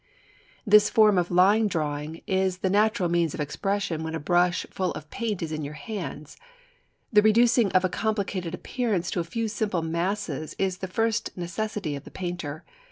This form of drawing is the natural means of expression when a brush full of paint is in your hands. The reducing of a complicated appearance to a few simple masses is the first necessity of the painter.